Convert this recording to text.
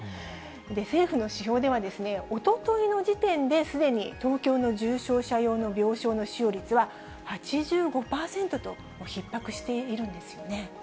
政府の指標では、おとといの時点で、すでに東京の重症者用の病床の使用率は８５％と、ひっ迫しているんですよね。